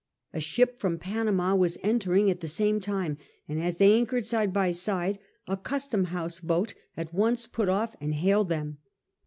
A ship from Panama was entering at the same time, and as they anchored side by side,^ a custom house boat at once put off and hailed them.